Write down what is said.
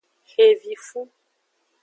Xevifu.